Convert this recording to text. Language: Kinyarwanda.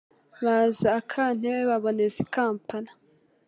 Baza aka Ntebe baboneza i Kampala